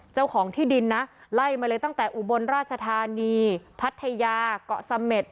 เจ้าของที่ดินนะไล่มาเลยตั้งแต่อุบลราชธานีพัทยาเกาะเสม็ด